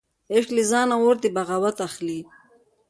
عشق له ځانه اور د بغاوت اخلي